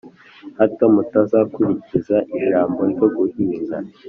hato mutazakurikiza ijambo ryo guhinga,